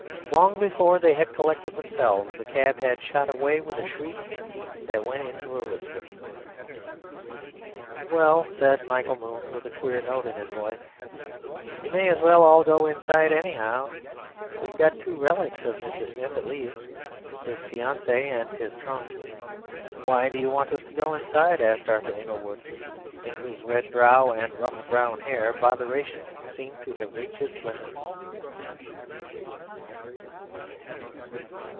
Long before they had collected themselves, the cab had shot away with a shriek that went into a whisper. "Well," said Michael Moon, with a queer note in his voice; "you may as well all go inside anyhow. We've got two relics of Mr. Smith at least; his fiancee and his trunk." "Why do you want us to go inside?" asked Arthur Inglewood, in whose red brow and rough brown hair botheration seemed to have reached its limit.